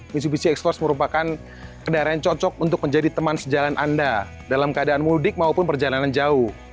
misubishi expose merupakan kendaraan yang cocok untuk menjadi teman sejalan anda dalam keadaan mudik maupun perjalanan jauh